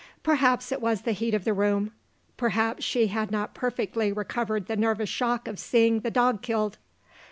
Perhaps, it was the heat of the room. Perhaps, she had not perfectly recovered the nervous shock of seeing the dog killed.